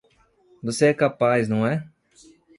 Você é capaz, não é?